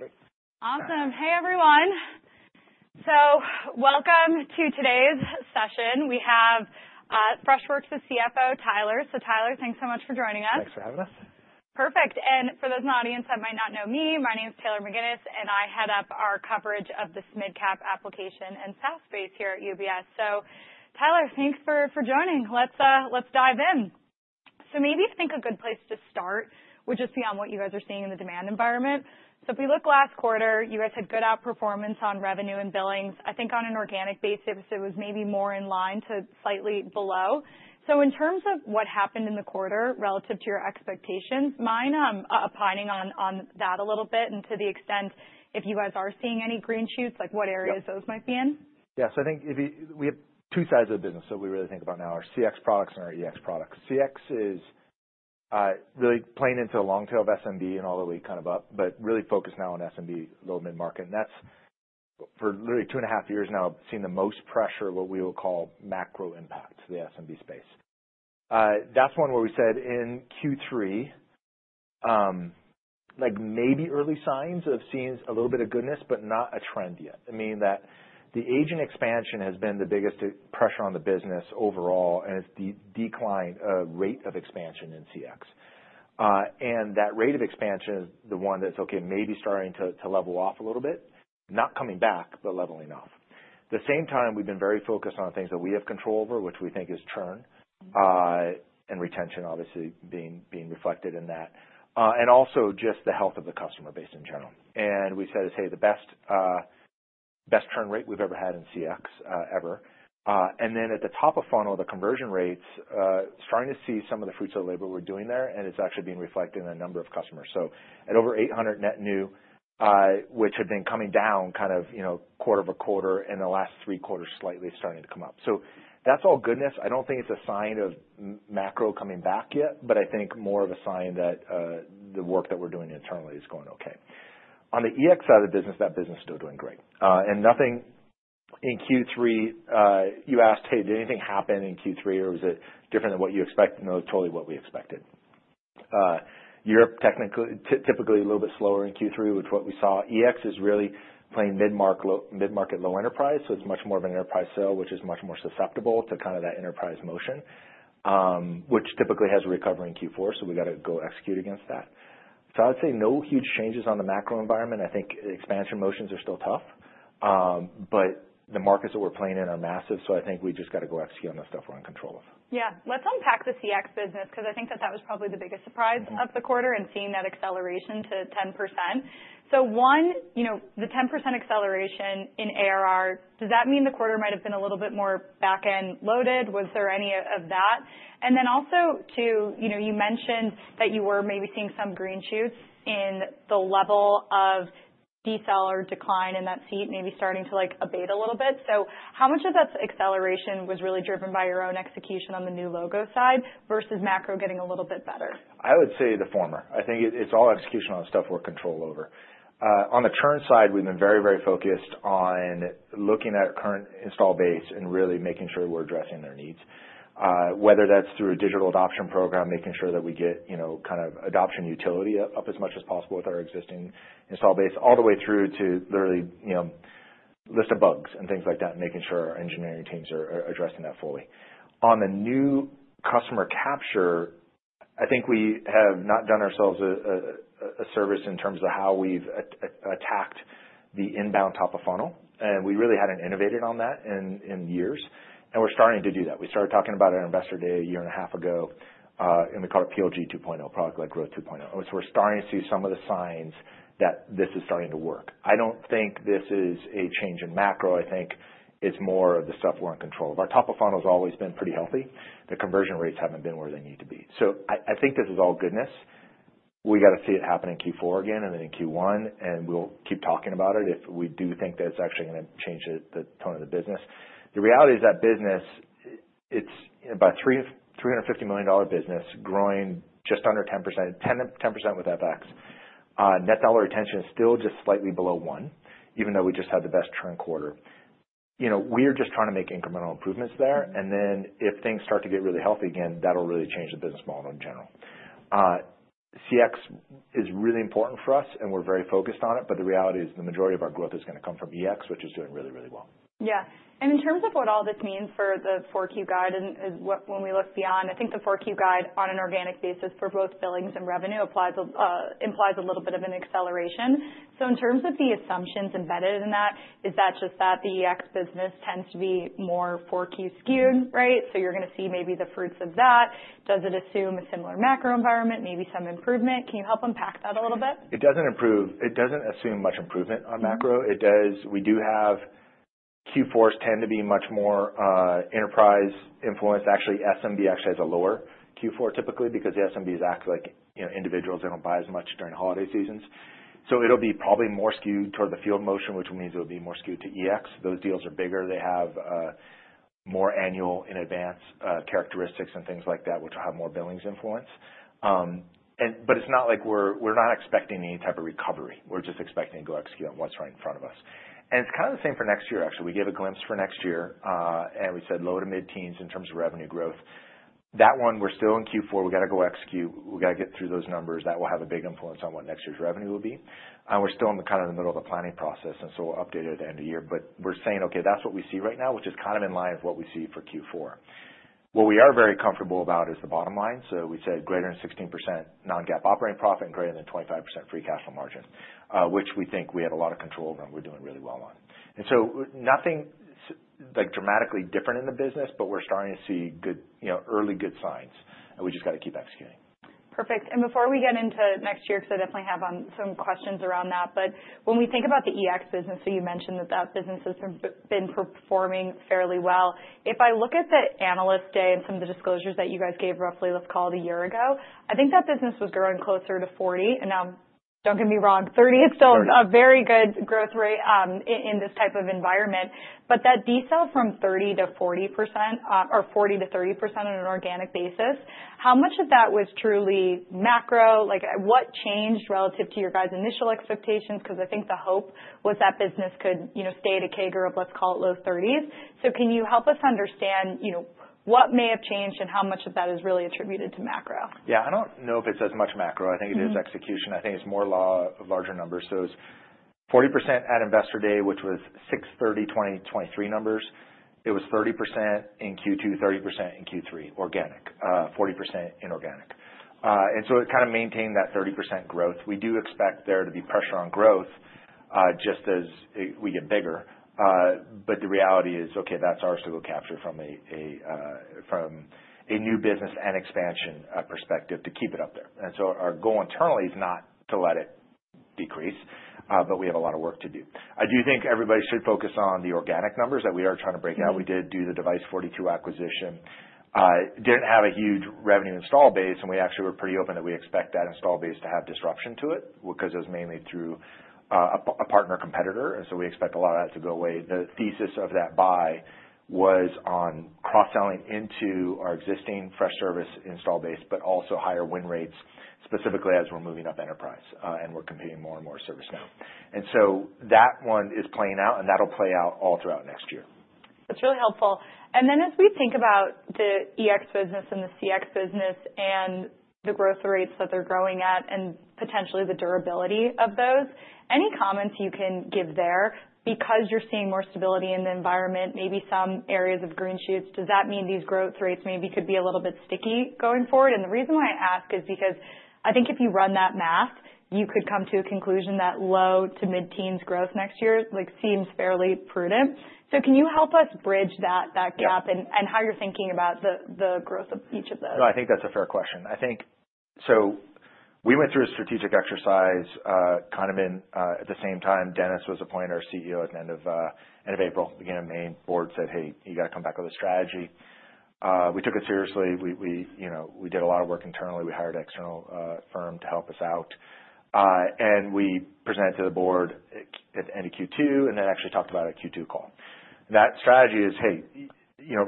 Perfect. Awesome. Hey, everyone. So welcome to today's session. We have Freshworks' CFO, Tyler. So Tyler, thanks so much for joining us. Thanks for having us. Perfect. And for those in the audience that might not know me, my name's Taylor McGinnis, and I head up our coverage of the mid-cap application and SaaS space here at UBS. So Tyler, thanks for joining. Let's dive in. So maybe to think a good place to start would just be on what you guys are seeing in the demand environment. So if we look last quarter, you guys had good outperformance on revenue and billings. I think on an organic basis, it was maybe more in line to slightly below. So in terms of what happened in the quarter relative to your expectations, mind opining on that a little bit and to the extent if you guys are seeing any green shoots, like what areas those might be in? Yeah. So I think we have two sides of the business that we really think about now: our CX products and our EX products. CX is really playing into the long tail of SMB and all the way kind of up, but really focused now on SMB, low-mid market, and that's, for literally two and a half years now, seen the most pressure, what we will call macro impacts in the SMB space. That's one where we said in Q3, maybe early signs of seeing a little bit of goodness, but not a trend yet. I mean, the agent expansion has been the biggest pressure on the business overall, and it's the decline rate of expansion in CX, and that rate of expansion is the one that's, okay, maybe starting to level off a little bit, not coming back, but leveling off. At the same time, we've been very focused on things that we have control over, which we think is churn and retention, obviously, being reflected in that, and also just the health of the customer base in general. And we said, "Hey, the best churn rate we've ever had in CX ever," and then at the top of funnel, the conversion rates, starting to see some of the fruits of the labor we're doing there, and it's actually being reflected in a number of customers, so at over 800 net new, which had been coming down kind of quarter over quarter, and the last three quarters slightly starting to come up, so that's all goodness. I don't think it's a sign of macro coming back yet, but I think more of a sign that the work that we're doing internally is going okay. On the EX side of the business, that business is still doing great, and nothing in Q3—you asked, "Hey, did anything happen in Q3, or was it different than what you expected?" No, it's totally what we expected. Europe typically a little bit slower in Q3, which is what we saw. EX is really playing mid-market low enterprise, so it's much more of an enterprise sale, which is much more susceptible to kind of that enterprise motion, which typically has a recovery in Q4, so we got to go execute against that, so I would say no huge changes on the macro environment. I think expansion motions are still tough, but the markets that we're playing in are massive, so I think we just got to go execute on the stuff we're in control of. Yeah. Let's unpack the CX business because I think that that was probably the biggest surprise of the quarter and seeing that acceleration to 10%. So one, the 10% acceleration in ARR, does that mean the quarter might have been a little bit more back-end loaded? Was there any of that? And then also too, you mentioned that you were maybe seeing some green shoots in the level of NDR decline in that segment, maybe starting to abate a little bit. So how much of that acceleration was really driven by your own execution on the new logo side versus macro getting a little bit better? I would say the former. I think it's all execution on the stuff we're in control over. On the churn side, we've been very, very focused on looking at current install base and really making sure we're addressing their needs, whether that's through a digital adoption program, making sure that we get kind of adoption utility up as much as possible with our existing install base, all the way through to literally list of bugs and things like that, and making sure our engineering teams are addressing that fully. On the new customer capture, I think we have not done ourselves a service in terms of how we've attacked the inbound top of funnel, and we really hadn't innovated on that in years, and we're starting to do that. We started talking about it at Investor Day a year and a half ago and we called it PLG 2.0, product-led growth 2.0. So we're starting to see some of the signs that this is starting to work. I don't think this is a change in macro. I think it's more of the stuff we're in control of. Our top of funnel has always been pretty healthy. The conversion rates haven't been where they need to be. So I think this is all goodness. We got to see it happen in Q4 again and then in Q1, and we'll keep talking about it if we do think that it's actually going to change the tone of the business. The reality is that business, it's about a $350 million business growing just under 10%, 10% with FX. Net Dollar Retention is still just slightly below one, even though we just had the best churn quarter. We are just trying to make incremental improvements there. And then if things start to get really healthy again, that'll really change the business model in general. CX is really important for us, and we're very focused on it. But the reality is the majority of our growth is going to come from EX, which is doing really, really well. Yeah. And in terms of what all this means for the 4Q guide, and when we look beyond, I think the 4Q guide on an organic basis for both billings and revenue implies a little bit of an acceleration. So in terms of the assumptions embedded in that, is that just that the EX business tends to be more 4Q skewed, right? So you're going to see maybe the fruits of that. Does it assume a similar macro environment, maybe some improvement? Can you help unpack that a little bit? It doesn't improve. It doesn't assume much improvement on macro. We do have Q4s tend to be much more enterprise influenced. Actually, SMB actually has a lower Q4 typically because the SMB is acting like individuals. They don't buy as much during holiday seasons, so it'll be probably more skewed toward the field motion, which means it'll be more skewed to EX. Those deals are bigger. They have more annual in advance characteristics and things like that, which will have more billings influence, but it's not like we're not expecting any type of recovery. We're just expecting to go execute on what's right in front of us, and it's kind of the same for next year, actually. We gave a glimpse for next year, and we said low to mid-teens in terms of revenue growth. That one, we're still in Q4. We got to go execute. We got to get through those numbers. That will have a big influence on what next year's revenue will be. And we're still kind of in the middle of the planning process, and so we'll update it at the end of the year. But we're saying, "Okay, that's what we see right now," which is kind of in line with what we see for Q4. What we are very comfortable about is the bottom line. So we said greater than 16% non-GAAP operating profit and greater than 25% free cash flow margin, which we think we had a lot of control over and we're doing really well on. And so nothing dramatically different in the business, but we're starting to see early good signs. And we just got to keep executing. Perfect. And before we get into next year, because I definitely have some questions around that, but when we think about the EX business, so you mentioned that that business has been performing fairly well. If I look at the analyst day and some of the disclosures that you guys gave roughly, let's call it a year ago, I think that business was growing closer to 40%. And now, don't get me wrong, 30% is still a very good growth rate in this type of environment. But that delta from 30% to 40% or 40% to 30% on an organic basis, how much of that was truly macro? What changed relative to your guys' initial expectations? Because I think the hope was that business could stay at a CAGR, let's call it low 30s. So can you help us understand what may have changed and how much of that is really attributed to macro? Yeah. I don't know if it's as much macro. I think it is execution. I think it's more law of larger numbers. So it was 40% at Investor Day, which was 6/30/2023 numbers. It was 30% in Q2, 30% in Q3, organic, 40% in organic. And so it kind of maintained that 30% growth. We do expect there to be pressure on growth just as we get bigger. But the reality is, okay, that's ours to go capture from a new business and expansion perspective to keep it up there. And so our goal internally is not to let it decrease, but we have a lot of work to do. I do think everybody should focus on the organic numbers that we are trying to break out. We did do the Device42 acquisition. Didn't have a huge revenue installed base, and we actually were pretty open that we expect that installed base to have disruption to it because it was mainly through a partner competitor, and so we expect a lot of that to go away. The thesis of that buy was on cross-selling into our existing Freshservice installed base, but also higher win rates, specifically as we're moving up enterprise and we're competing more and more with ServiceNow, and so that one is playing out, and that'll play out all throughout next year. That's really helpful. And then as we think about the EX business and the CX business and the growth rates that they're growing at and potentially the durability of those, any comments you can give there? Because you're seeing more stability in the environment, maybe some areas of green shoots, does that mean these growth rates maybe could be a little bit sticky going forward? And the reason why I ask is because I think if you run that math, you could come to a conclusion that low to mid-teens growth next year seems fairly prudent. So can you help us bridge that gap and how you're thinking about the growth of each of those? No, I think that's a fair question, so we went through a strategic exercise. Kind of at the same time, Dennis was appointed our CEO at the end of April. The beginning of May, the board said, "Hey, you got to come back with a strategy." We took it seriously. We did a lot of work internally. We hired an external firm to help us out, and we presented to the board at end of Q2 and then actually talked about a Q2 call. That strategy is, "Hey,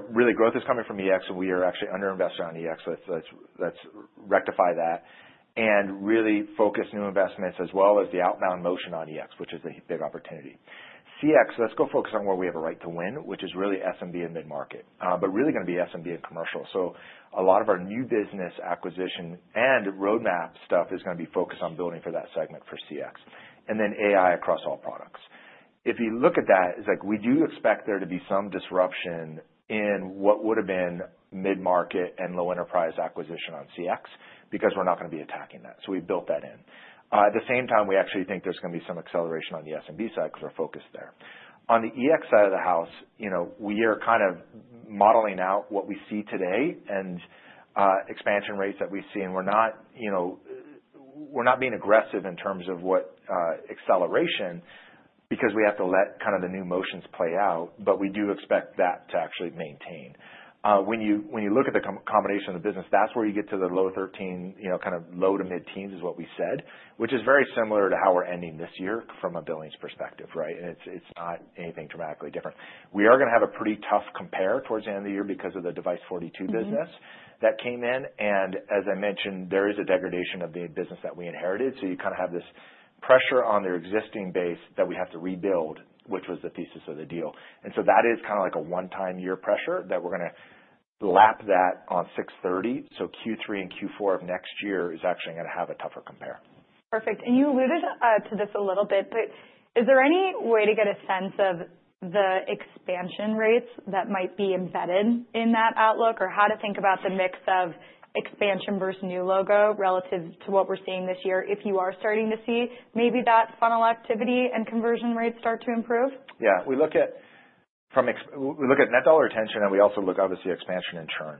really growth is coming from EX, and we are actually under-invested on EX. Let's rectify that and really focus new investments as well as the outbound motion on EX, which is a big opportunity. CX, let's go focus on where we have a right to win, which is really SMB and mid-market, but really going to be SMB and commercial. So a lot of our new business acquisition and roadmap stuff is going to be focused on building for that segment for CX and then AI across all products. If you look at that, it's like we do expect there to be some disruption in what would have been mid-market and low enterprise acquisition on CX because we're not going to be attacking that. So we built that in. At the same time, we actually think there's going to be some acceleration on the SMB side because we're focused there. On the EX side of the house, we are kind of modeling out what we see today and expansion rates that we see. And we're not being aggressive in terms of what acceleration because we have to let kind of the new motions play out, but we do expect that to actually maintain. When you look at the combination of the business, that's where you get to the low teens, kind of low to mid-teens% is what we said, which is very similar to how we're ending this year from a billings perspective, right? And it's not anything dramatically different. We are going to have a pretty tough compare towards the end of the year because of the Device42 business that came in. And as I mentioned, there is a degradation of the business that we inherited. So you kind of have this pressure on their existing base that we have to rebuild, which was the thesis of the deal. And so that is kind of like a one-time year pressure that we're going to lap that on 6/30. So Q3 and Q4 of next year is actually going to have a tougher compare. Perfect. And you alluded to this a little bit, but is there any way to get a sense of the expansion rates that might be embedded in that outlook or how to think about the mix of expansion versus new logo relative to what we're seeing this year if you are starting to see maybe that funnel activity and conversion rates start to improve? Yeah. We look at Net Dollar Retention, and we also look, obviously, at expansion and churn.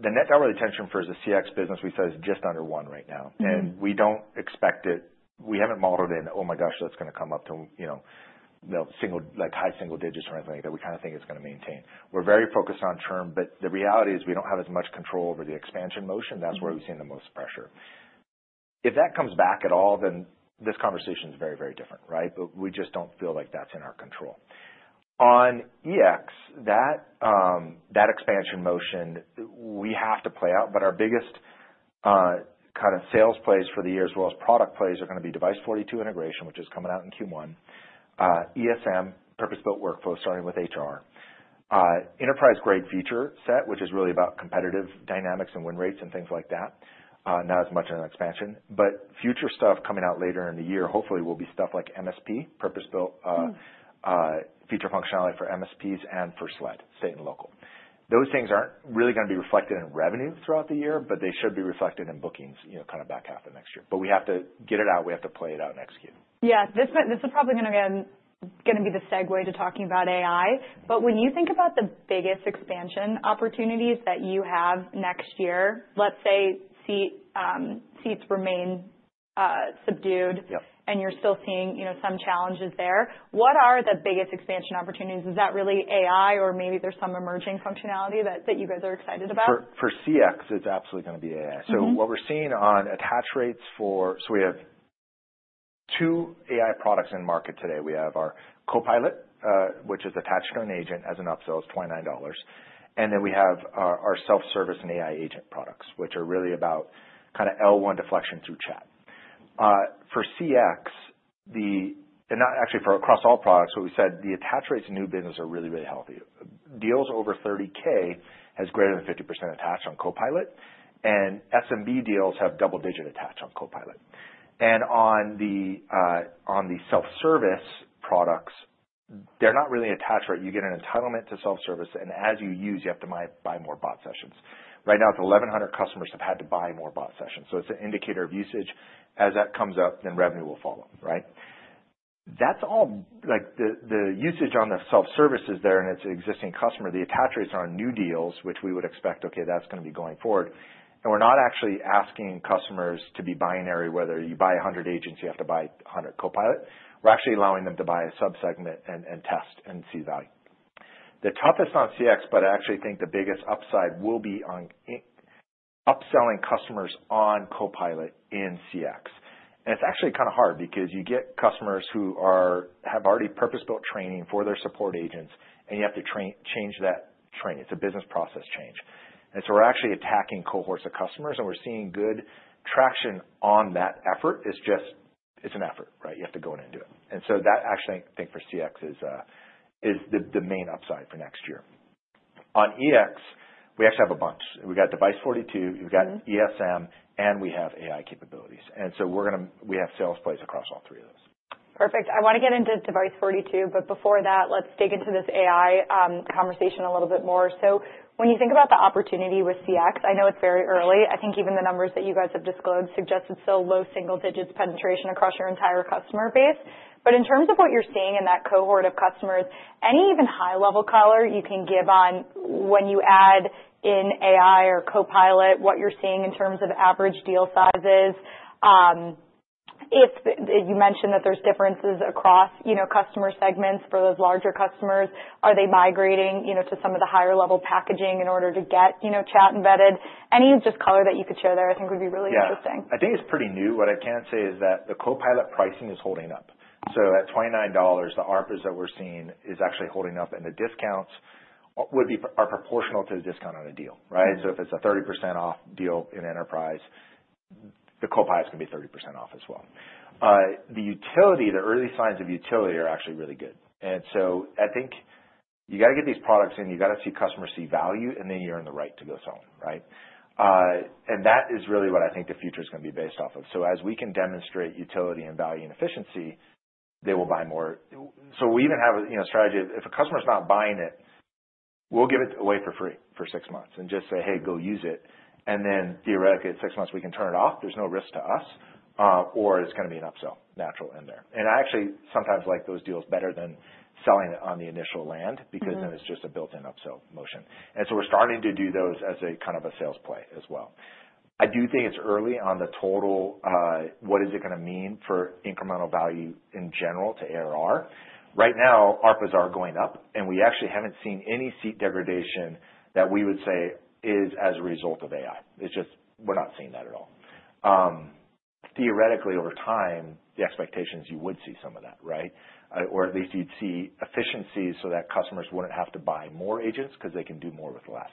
The Net Dollar Retention for the CX business we said is just under one right now, and we don't expect it. We haven't modeled in, "Oh my gosh, that's going to come up to single high single digits or anything like that." We kind of think it's going to maintain. We're very focused on churn, but the reality is we don't have as much control over the expansion motion. That's where we've seen the most pressure. If that comes back at all, then this conversation is very, very different, right, but we just don't feel like that's in our control. On EX, that expansion motion, we have to play out. But our biggest kind of sales plays for the year, as well as product plays, are going to be Device42 integration, which is coming out in Q1, ESM, purpose-built workflow starting with HR, enterprise-grade feature set, which is really about competitive dynamics and win rates and things like that, not as much on expansion. But future stuff coming out later in the year, hopefully, will be stuff like MSP, purpose-built feature functionality for MSPs and for SLED, state and local. Those things aren't really going to be reflected in revenue throughout the year, but they should be reflected in bookings kind of back half of next year. But we have to get it out. We have to play it out and execute. Yeah. This is probably going to be the segue to talking about AI. But when you think about the biggest expansion opportunities that you have next year, let's say seats remain subdued and you're still seeing some challenges there, what are the biggest expansion opportunities? Is that really AI or maybe there's some emerging functionality that you guys are excited about? For CX, it's absolutely going to be AI. So what we're seeing on attach rates for, so we have two AI products in market today. We have our Copilot, which is attached to an agent as an upsell. It's $29. And then we have our self-service and AI Agent products, which are really about kind of L1 deflection through chat. For CX, and actually for across all products, what we said, the attach rates in new business are really, really healthy. Deals over 30K has greater than 50% attached on Copilot, and SMB deals have double-digit attached on Copilot. And on the self-service products, they're not really attached, right? You get an entitlement to self-service, and as you use, you have to buy more bot sessions. Right now, it's 1,100 customers have had to buy more bot sessions. So it's an indicator of usage. As that comes up, then revenue will follow, right? The usage on the self-service is there, and it's an existing customer. The attach rates are on new deals, which we would expect, okay, that's going to be going forward. And we're not actually asking customers to be binary, whether you buy 100 agents, you have to buy 100 Copilot. We're actually allowing them to buy a subsegment and test and see value. The toughest on CX, but I actually think the biggest upside will be on upselling customers on Copilot in CX. And it's actually kind of hard because you get customers who have already purpose-built training for their support agents, and you have to change that training. It's a business process change. And so we're actually attacking cohorts of customers, and we're seeing good traction on that effort. It's an effort, right? You have to go in and do it. And so that, actually, I think for CX is the main upside for next year. On EX, we actually have a bunch. We've got Device42, we've got ESM, and we have AI capabilities. And so we have sales plays across all three of those. Perfect. I want to get into Device42, but before that, let's dig into this AI conversation a little bit more. So when you think about the opportunity with CX, I know it's very early. I think even the numbers that you guys have disclosed suggested still low single digits penetration across your entire customer base. But in terms of what you're seeing in that cohort of customers, any even high-level color you can give on when you add in AI or Copilot, what you're seeing in terms of average deal sizes. You mentioned that there's differences across customer segments for those larger customers. Are they migrating to some of the higher-level packaging in order to get chat embedded? Any just color that you could share there, I think would be really interesting. Yeah. I think it's pretty new. What I can say is that the Copilot pricing is holding up. So at $29, the ARPAs that we're seeing is actually holding up, and the discounts are proportional to the discount on a deal, right? So if it's a 30% off deal in enterprise, the Copilot's going to be 30% off as well. The utility, the early signs of utility are actually really good. And so I think you got to get these products in, you got to see customers see value, and then you're in the right to go sell them, right? And that is really what I think the future is going to be based off of. So as we can demonstrate utility and value and efficiency, they will buy more. So we even have a strategy. If a customer is not buying it, we'll give it away for free for six months and just say, "Hey, go use it." And then theoretically, at six months, we can turn it off. There's no risk to us, or it's going to be an upsell natural in there. And I actually sometimes like those deals better than selling it on the initial land because then it's just a built-in upsell motion. And so we're starting to do those as a kind of a sales play as well. I do think it's early on the total, what is it going to mean for incremental value in general to ARR. Right now, ARPAs are going up, and we actually haven't seen any seat degradation that we would say is as a result of AI. It's just we're not seeing that at all. Theoretically, over time, the expectation is you would see some of that, right? Or at least you'd see efficiencies so that customers wouldn't have to buy more agents because they can do more with less.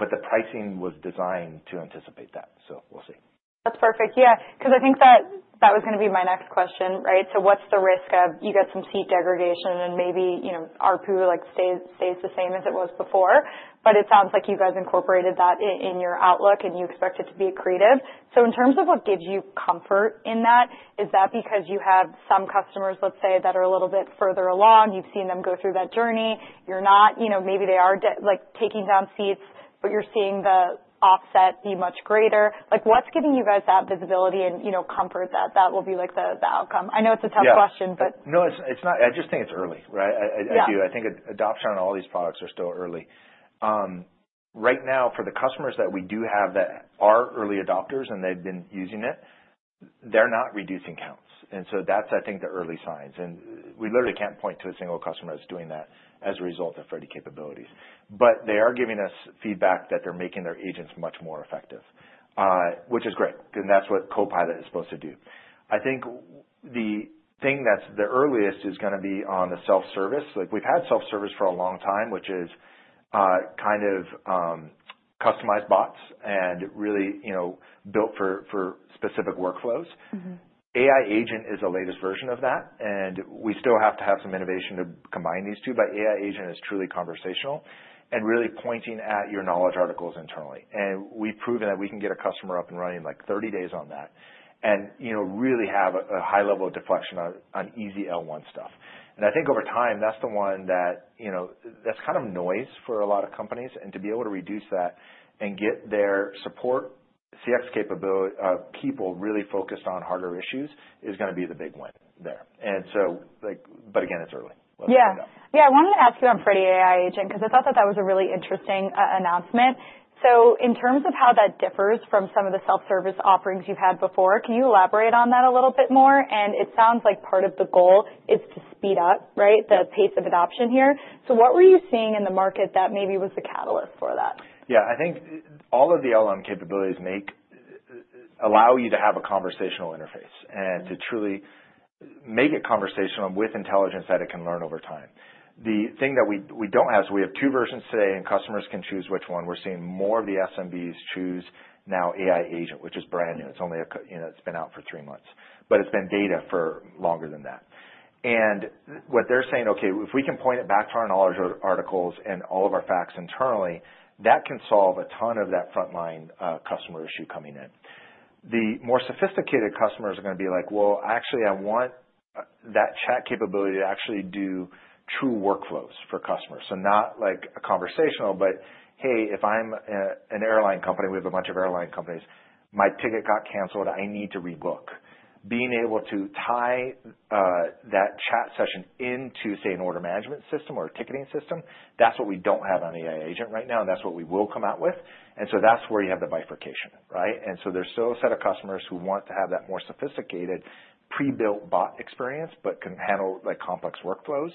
But the pricing was designed to anticipate that. So we'll see. That's perfect. Yeah. Because I think that was going to be my next question, right? So what's the risk of you get some seat degradation and maybe ARPU stays the same as it was before? But it sounds like you guys incorporated that in your outlook, and you expect it to be accretive. So in terms of what gives you comfort in that, is that because you have some customers, let's say, that are a little bit further along, you've seen them go through that journey, you're not, maybe they are taking down seats, but you're seeing the offset be much greater. What's giving you guys that visibility and comfort that that will be the outcome? I know it's a tough question, but. Yeah. No, I just think it's early, right? I do. I think adoption on all these products are still early. Right now, for the customers that we do have that are early adopters and they've been using it, they're not reducing counts. And so that's, I think, the early signs. And we literally can't point to a single customer that's doing that as a result of Freddy capabilities. But they are giving us feedback that they're making their agents much more effective, which is great because that's what Copilot is supposed to do. I think the thing that's the earliest is going to be on the self-service. We've had self-service for a long time, which is kind of customized bots and really built for specific workflows. AI Agent is the latest version of that, and we still have to have some innovation to combine these two, but AI Agent is truly conversational and really pointing at your knowledge articles internally. And we've proven that we can get a customer up and running like 30 days on that and really have a high level of deflection on easy L1 stuff. And I think over time, that's the one that's kind of noise for a lot of companies. And to be able to reduce that and get their support CX capability people really focused on harder issues is going to be the big win there. And so, but again, it's early. Yeah. Yeah. I wanted to ask you on Freddy AI Agent because I thought that that was a really interesting announcement, so in terms of how that differs from some of the self-service offerings you've had before, can you elaborate on that a little bit more, and it sounds like part of the goal is to speed up, right, the pace of adoption here, so what were you seeing in the market that maybe was the catalyst for that? Yeah. I think all of the LLM capabilities allow you to have a conversational interface and to truly make it conversational with intelligence that it can learn over time. The thing that we don't have, so we have two versions today, and customers can choose which one. We're seeing more of the SMBs choose now AI Agent, which is brand new. It's only been out for three months, but it's been beta for longer than that. And what they're saying, okay, if we can point it back to our knowledge articles and all of our facts internally, that can solve a ton of that frontline customer issue coming in. The more sophisticated customers are going to be like, "Well, actually, I want that chat capability to actually do true workflows for customers." So not like a conversational, but, "Hey, if I'm an airline company, we have a bunch of airline companies, my ticket got canceled, I need to rebook." Being able to tie that chat session into, say, an order management system or a ticketing system, that's what we don't have on AI Agent right now, and that's what we will come out with, and so that's where you have the bifurcation, right, and so there's still a set of customers who want to have that more sophisticated pre-built bot experience, but can handle complex workflows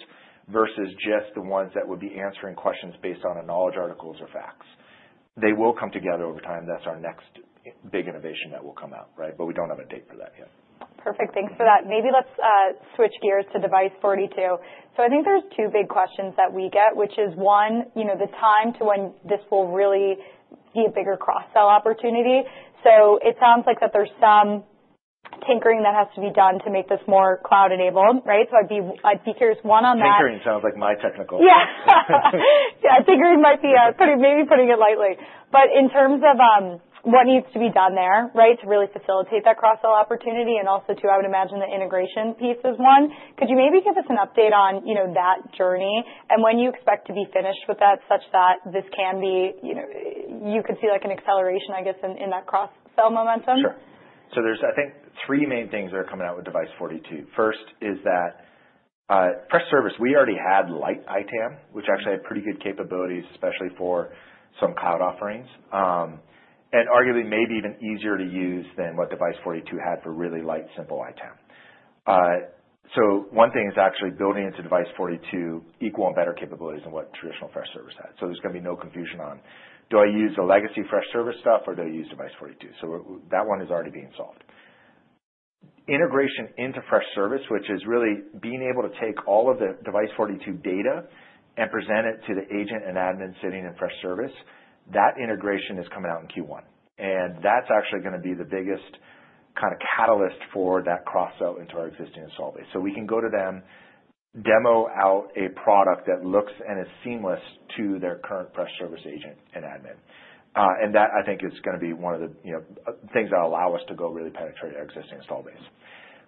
versus just the ones that would be answering questions based on knowledge articles or facts. They will come together over time. That's our next big innovation that will come out, right? But we don't have a date for that yet. Perfect. Thanks for that. Maybe let's switch gears to Device42. So I think there's two big questions that we get, which is one, the time to when this will really be a bigger cross-sell opportunity. So it sounds like that there's some tinkering that has to be done to make this more cloud-enabled, right? So I'd be curious, one on that. Tinkering sounds like my technical. Yeah. Yeah. Tinkering might be maybe putting it lightly. But in terms of what needs to be done there, right, to really facilitate that cross-sell opportunity and also to, I would imagine, the integration piece is one. Could you maybe give us an update on that journey and when you expect to be finished with that such that this can be, you could see an acceleration, I guess, in that cross-sell momentum? Sure. So there's, I think, three main things that are coming out with Device42. First is that Freshworks, we already had light ITAM, which actually had pretty good capabilities, especially for some cloud offerings, and arguably maybe even easier to use than what Device42 had for really light, simple ITAM. So one thing is actually building into Device42 equal and better capabilities than what traditional Freshworks had. So there's going to be no confusion on, "Do I use the legacy Freshworks stuff or do I use Device42?" So that one is already being solved. Integration into Freshworks, which is really being able to take all of the Device42 data and present it to the agent and admin sitting in Freshworks, that integration is coming out in Q1. And that's actually going to be the biggest kind of catalyst for that cross-sell into our existing install base. So we can go to them, demo out a product that looks and is seamless to their current Freshworks agent and admin. And that, I think, is going to be one of the things that will allow us to go really penetrate our existing install base.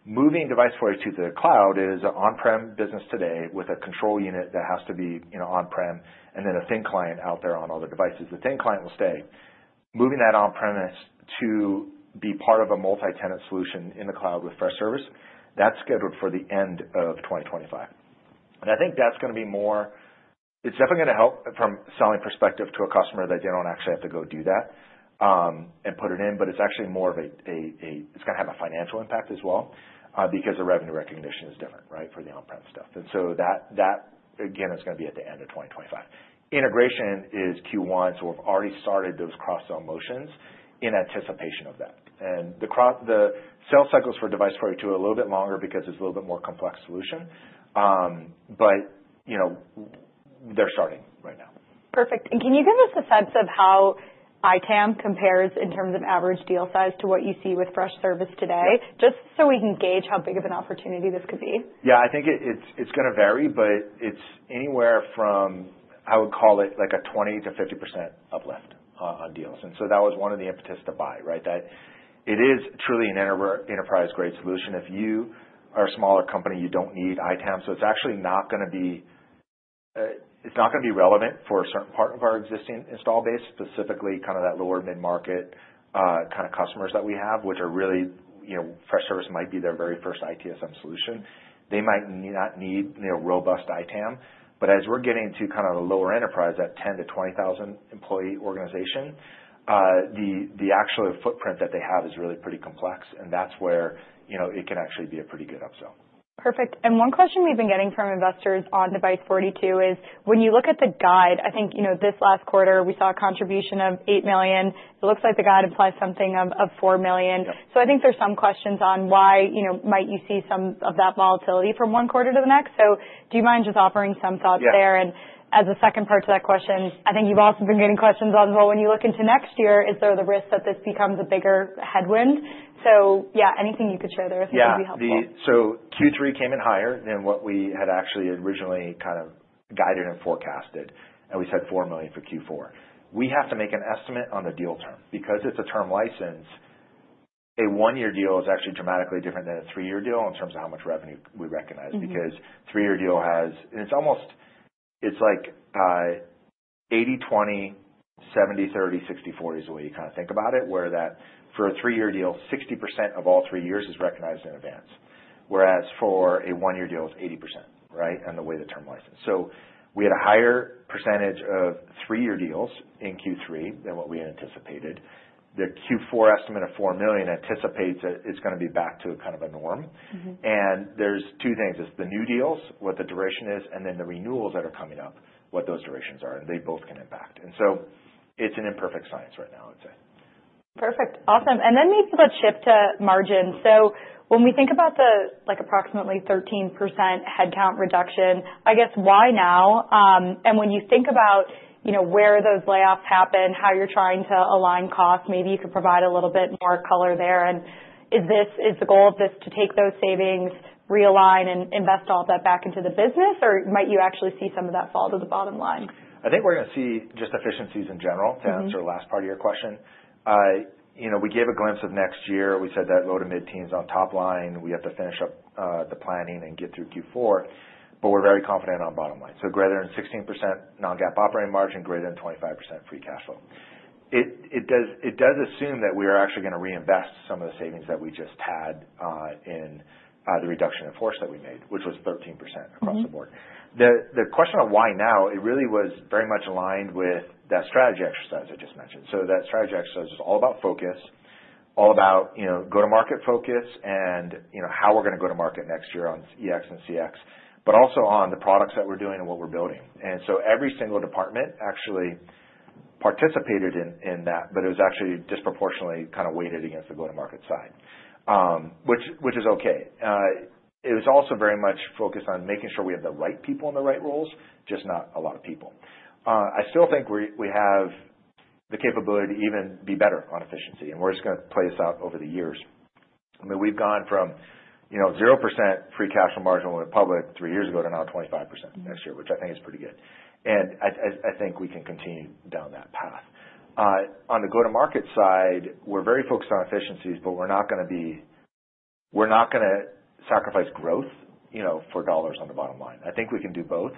Moving Device42 to the cloud is an on-prem business today with a control unit that has to be on-prem and then a thin client out there on all the devices. The thin client will stay. Moving that on-premise to be part of a multi-tenant solution in the cloud with Freshworks, that's scheduled for the end of 2025. And I think that's going to be more. It's definitely going to help from a selling perspective to a customer that they don't actually have to go do that and put it in, but it's actually more of a. It's going to have a financial impact as well because the revenue recognition is different, right, for the on-prem stuff. And so that, again, is going to be at the end of 2025. Integration is Q1, so we've already started those cross-sell motions in anticipation of that. And the sales cycles for Device42 are a little bit longer because it's a little bit more complex solution, but they're starting right now. Perfect. And can you give us a sense of how ITAM compares in terms of average deal size to what you see with Freshworks today, just so we can gauge how big of an opportunity this could be? Yeah. I think it's going to vary, but it's anywhere from, I would call it like a 20%-50% uplift on deals. And so that was one of the impetus to buy, right? It is truly an enterprise-grade solution. If you are a smaller company, you don't need ITAM. So it's actually not going to be, it's not going to be relevant for a certain part of our existing installed base, specifically kind of that lower mid-market kind of customers that we have, which are really, Freshworks might be their very first ITSM solution. They might not need robust ITAM. But as we're getting to kind of a lower enterprise at 10-20,000 employee organization, the actual footprint that they have is really pretty complex, and that's where it can actually be a pretty good upsell. Perfect. And one question we've been getting from investors on Device42 is, when you look at the guide, I think this last quarter we saw a contribution of $8 million. It looks like the guide implies something of $4 million. So I think there's some questions on why might you see some of that volatility from one quarter to the next. So do you mind just offering some thoughts there? And as a second part to that question, I think you've also been getting questions on, well, when you look into next year, is there the risk that this becomes a bigger headwind? So yeah, anything you could share there I think would be helpful. Yeah, so Q3 came in higher than what we had actually originally kind of guided and forecasted, and we said $4 million for Q4. We have to make an estimate on the deal term because it's a term license. A one-year deal is actually dramatically different than a three-year deal in terms of how much revenue we recognize because a three-year deal has, and it's almost, it's like 80/20, 70/30, 60/40 is the way you kind of think about it, where that for a three-year deal, 60% of all three years is recognized in advance, whereas for a one-year deal, it's 80%, right, in the way the term license. So we had a higher percentage of three-year deals in Q3 than what we anticipated. The Q4 estimate of $4 million anticipates that it's going to be back to kind of a norm, and there's two things. It's the new deals, what the duration is, and then the renewals that are coming up, what those durations are, and they both can impact, and so it's an imperfect science right now, I'd say. Perfect. Awesome. And then maybe let's shift to margin. So when we think about the approximately 13% headcount reduction, I guess why now? And when you think about where those layoffs happen, how you're trying to align costs, maybe you could provide a little bit more color there. And is the goal of this to take those savings, realign, and invest all that back into the business, or might you actually see some of that fall to the bottom line? I think we're going to see just efficiencies in general to answer the last part of your question. We gave a glimpse of next year. We said that low- to mid-teens on top line. We have to finish up the planning and get through Q4, but we're very confident on bottom line. So greater than 16% Non-GAAP operating margin, greater than 25% Free Cash Flow. It does assume that we are actually going to reinvest some of the savings that we just had in the reduction in force that we made, which was 13% across the board. The question of why now, it really was very much aligned with that strategy exercise I just mentioned. So that strategy exercise is all about focus, all about go-to-market focus and how we're going to go to market next year on EX and CX, but also on the products that we're doing and what we're building. And so every single department actually participated in that, but it was actually disproportionately kind of weighted against the go-to-market side, which is okay. It was also very much focused on making sure we have the right people in the right roles, just not a lot of people. I still think we have the capability to even be better on efficiency, and we're just going to play this out over the years. I mean, we've gone from 0% Free Cash Flow margin when we were public three years ago to now 25% next year, which I think is pretty good. And I think we can continue down that path. On the go-to-market side, we're very focused on efficiencies, but we're not going to sacrifice growth for dollars on the bottom line. I think we can do both.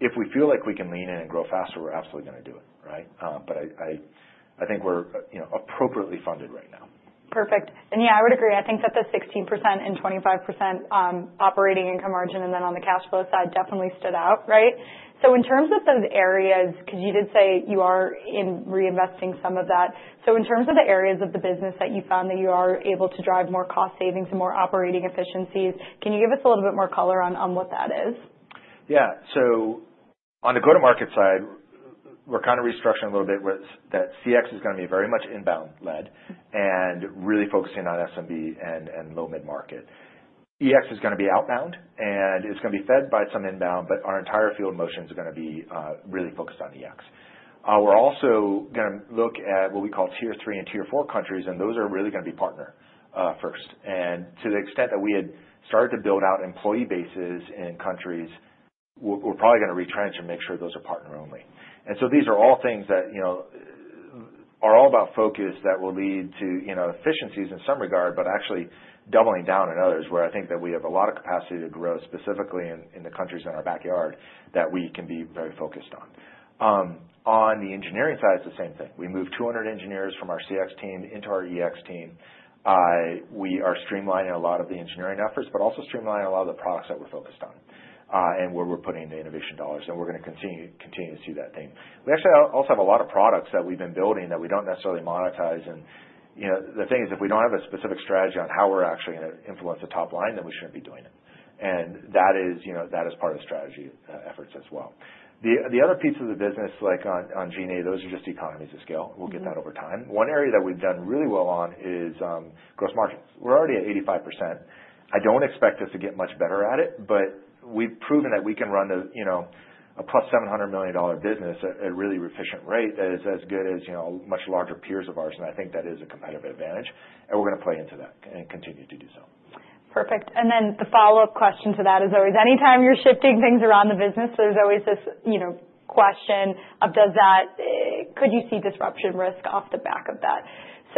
If we feel like we can lean in and grow faster, we're absolutely going to do it, right? But I think we're appropriately funded right now. Perfect, and yeah, I would agree. I think that the 16% and 25% operating income margin and then on the cash flow side definitely stood out, right, so in terms of those areas, because you did say you are in reinvesting some of that, so in terms of the areas of the business that you found that you are able to drive more cost savings and more operating efficiencies, can you give us a little bit more color on what that is? Yeah. So on the go-to-market side, we're kind of restructuring a little bit with that CX is going to be very much inbound-led and really focusing on SMB and low mid-market. EX is going to be outbound, and it's going to be fed by some inbound, but our entire field motions are going to be really focused on EX. We're also going to look at what we call tier three and tier four countries, and those are really going to be partner first. And to the extent that we had started to build out employee bases in countries, we're probably going to retrench and make sure those are partner only. And so these are all things that are all about focus that will lead to efficiencies in some regard, but actually doubling down in others where I think that we have a lot of capacity to grow specifically in the countries in our backyard that we can be very focused on. On the engineering side, it's the same thing. We moved 200 engineers from our CX team into our EX team. We are streamlining a lot of the engineering efforts, but also streamlining a lot of the products that we're focused on and where we're putting the innovation dollars. And we're going to continue to see that theme. We actually also have a lot of products that we've been building that we don't necessarily monetize. And the thing is, if we don't have a specific strategy on how we're actually going to influence the top line, then we shouldn't be doing it. And that is part of the strategy efforts as well. The other pieces of the business, like on G&A, those are just economies of scale. We'll get that over time. One area that we've done really well on is gross margins. We're already at 85%. I don't expect us to get much better at it, but we've proven that we can run a plus $700 million business at a really efficient rate that is as good as much larger peers of ours. And I think that is a competitive advantage. And we're going to play into that and continue to do so. Perfect. And then the follow-up question to that is always, anytime you're shifting things around the business, there's always this question of, could you see disruption risk off the back of that?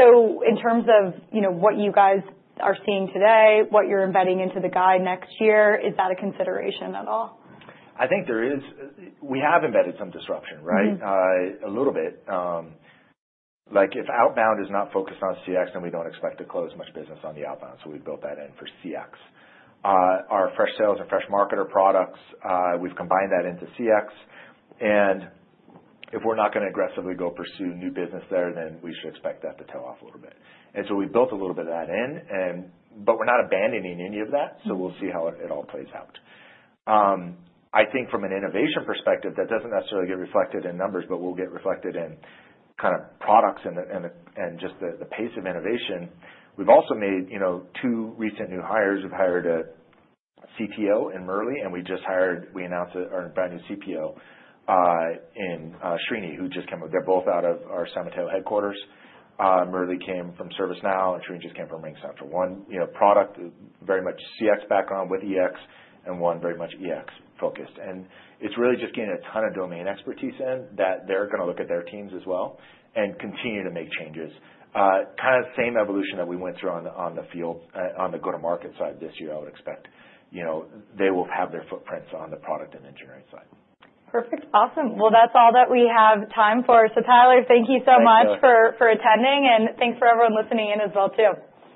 So in terms of what you guys are seeing today, what you're embedding into the guide next year, is that a consideration at all? I think there is. We have embedded some disruption, right? A little bit. If outbound is not focused on CX, then we don't expect to close much business on the outbound. So we've built that in for CX. Our Freshsales and Freshmarketer products, we've combined that into CX. And if we're not going to aggressively go pursue new business there, then we should expect that to tail off a little bit. And so we built a little bit of that in, but we're not abandoning any of that. So we'll see how it all plays out. I think from an innovation perspective, that doesn't necessarily get reflected in numbers, but will get reflected in kind of products and just the pace of innovation. We've also made two recent new hires. We've hired a CTO in Murali, and we just hired, we announced our brand new CTO in Srini, who just came up. They're both out of our San Mateo headquarters. Murali came from ServiceNow, and Srini just came from RingCentral. One product very much CX background with EX and one very much EX focused. And it's really just getting a ton of domain expertise in that they're going to look at their teams as well and continue to make changes. Kind of same evolution that we went through on the field, on the go-to-market side this year, I would expect they will have their footprints on the product and engineering side. Perfect. Awesome. That's all that we have time for. Tyler, thank you so much for attending, and thanks for everyone listening in as well too.